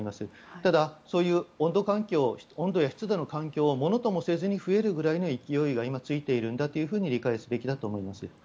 ただ、そういう温度環境温度や湿度の環境をものともせずに増えるぐらいの勢いが今、ついているんだと理解すべきだと思います。